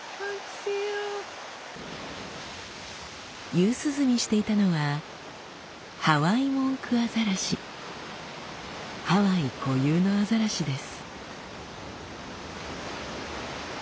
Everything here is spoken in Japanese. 夕涼みしていたのはハワイ固有のアザラシです。